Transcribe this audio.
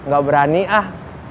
gak berani ah